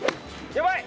やばい。